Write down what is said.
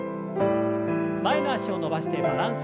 前の脚を伸ばしてバランス。